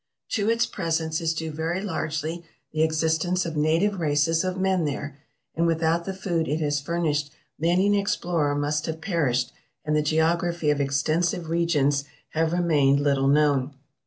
To its presence is due very largely the existence of native races of men there, and without the food it has furnished many an ex plorer must have perished, and the geography of extensive regions have remained little known.